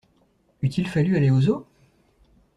Eût-il fallu aller au zoo?